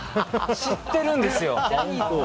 知ってるんですよ。